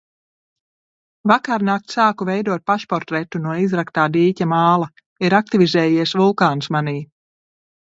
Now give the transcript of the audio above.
Vakarnakt sāku veidot pašportretu no izraktā dīķa māla. Ir aktivizējies vulkāns manī.